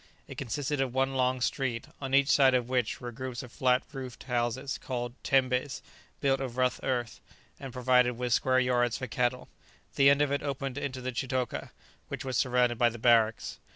It consisted of one long street, on each side of which were groups of flat roofed houses called tembés, built of rough earth, and provided with square yards for cattle. The end of it opened into the chitoka, which was surrounded by the barracks.